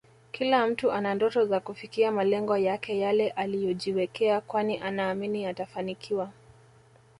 Kila mtu ana ndoto za kufikia malengo yake Yale aliyojiwekea kwani anaamini atafanikiwa